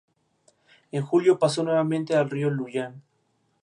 En julio pasó nuevamente al río Luján.